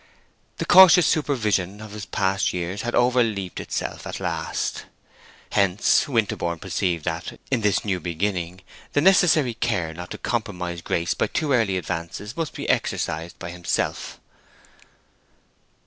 The cautious supervision of his past years had overleaped itself at last. Hence, Winterborne perceived that, in this new beginning, the necessary care not to compromise Grace by too early advances must be exercised by himself.